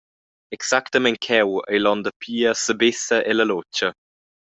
Exactamein cheu ei l’onda Pia sebessa ella lutga.